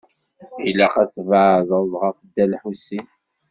Ilaq ad tbeɛɛdeḍ ɣef Dda Lḥusin.